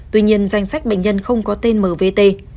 tuy nhiên danh sách bệnh nhân không có tên m v t